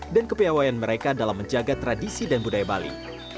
dan kepewayaan mereka dalam menjaga tradisi dan budaya bali